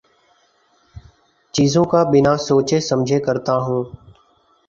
چیزوں کا بنا سوچے سمجھے کرتا ہوں